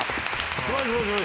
すごいすごい。